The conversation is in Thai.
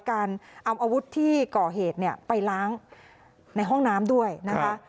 การเอาอาวุธที่ก่อเหตุเนี่ยไปล้างในห้องน้ำด้วยนะคะ